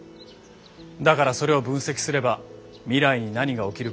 だからそれを分析すれば未来に何が起きるかが分かります。